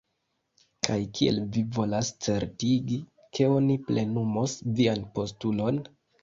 Kaj kiel vi volas certigi, ke oni plenumos vian postulon?